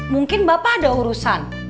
mungkin bapak ada urusan